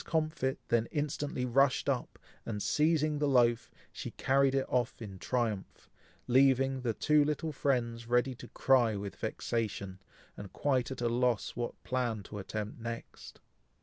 Comfit then instantly rushed up, and seizing the loaf, she carried it off in triumph, leaving the two little friends ready to cry with vexation, and quite at a loss what plan to attempt next.